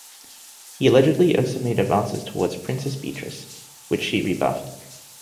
He allegedly also made advances toward Princess Beatrice, which she rebuffed.